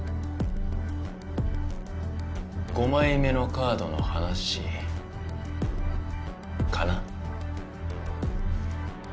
５枚目のカードの話かな？